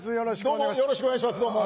よろしくお願いしますどうも。